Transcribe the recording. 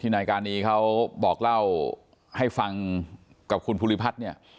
นายการีเขาบอกเล่าให้ฟังกับคุณภูริพัฒน์เนี่ย